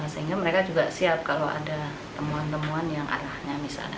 sehingga mereka juga siap kalau ada temuan temuan yang arahnya misalnya